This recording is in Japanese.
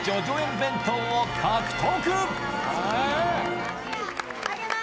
弁当を獲得！